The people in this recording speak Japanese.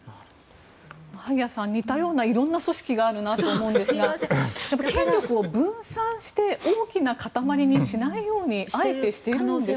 萩谷さん似たような色んな組織があるなと思うんですが権力を分散して大きな塊にしないようにあえてしているんでしょうか。